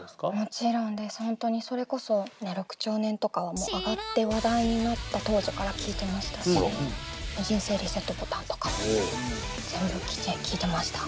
本当にそれこそ「六兆年」とかは上がって話題になった当時から聴いてましたし「人生リセットボタン」とかも全部聴いてました。